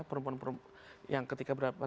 perempuan perempuan yang ketika berada